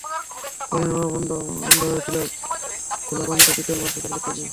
করিমের বাবা অন্ধ হয়েছিল ঘোলা পানিতে চিতল মাছ শিকার করতে গিয়ে।